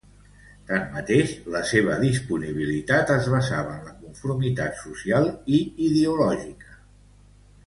Tanmateix, la seva disponibilitat es basava en la conformitat social i ideològica.